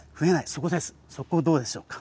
そこどうでしょうか？